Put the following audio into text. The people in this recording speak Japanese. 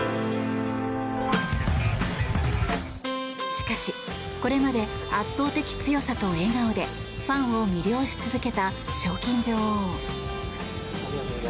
しかし、これまで圧倒的強さと笑顔でファンを魅了し続けた賞金女王。